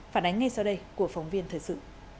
phản ánh ngay sau đây của phóng viên thời sự